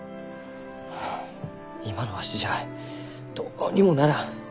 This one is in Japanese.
はあ今のわしじゃどうにもならん。